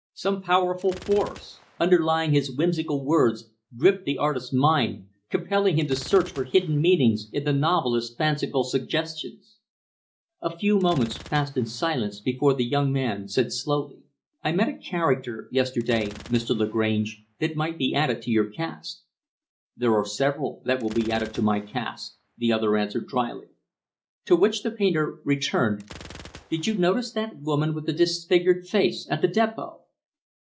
Some powerful force, underlying his whimsical words, gripped the artist's mind compelling him to search for hidden meanings in the novelist's fanciful suggestions. A few moments passed in silence before the young man said slowly, "I met a character, yesterday, Mr. Lagrange, that might be added to your cast." "There are several that will be added to my cast," the other answered dryly. To which the painter returned, "Did you notice that woman with the disfigured face, at the depot?"